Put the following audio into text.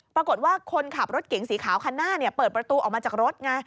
ปรากฏว่าคนขับรถเก๋งสีขาวคันหน้าเปิดประตูออกมาจากรถไง